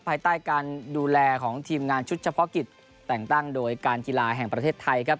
ภายใต้การดูแลของทีมงานชุดเฉพาะกิจแต่งตั้งโดยการกีฬาแห่งประเทศไทยครับ